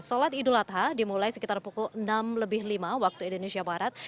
solat idul adha dimulai sekitar pukul enam lebih lima waktu indonesia barat